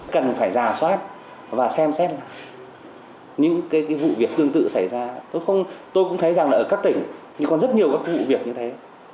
cần phải giả soát và xem xét những cái vụ việc tương tự xảy ra tôi cũng thấy rằng ở các tỉnh còn rất nhiều vụ việc như thế